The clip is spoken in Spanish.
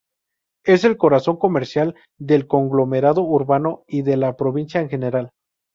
Es el corazón comercial del conglomerado urbano y de la provincia en general.